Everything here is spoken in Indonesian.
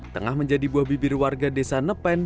tengah menjadi buah bibir warga desa nepen